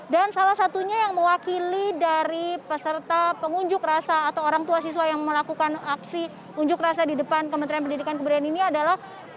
dan salah satunya yang mewakili dari peserta pengunjuk rasa atau orang tua siswa yang melakukan aksi unjuk rasa di depan kementerian pendidikan dan kebudayaan ini adalah